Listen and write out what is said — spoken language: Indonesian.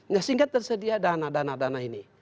nah sehingga tersedia dana dana dana ini